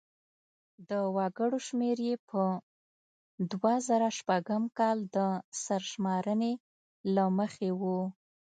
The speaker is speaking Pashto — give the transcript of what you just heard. د وګړو شمېر یې په دوه زره شپږم کال د سرشمېرنې له مخې و.